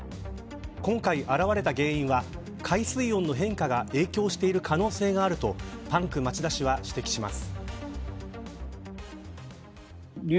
今回、現れた原因は海水温の変化が影響している可能性があるとパンク町田氏は指摘します。